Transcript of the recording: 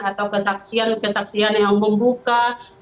atau kesaksian kesaksian yang membuka